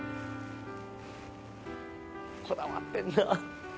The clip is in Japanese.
「こだわってるな」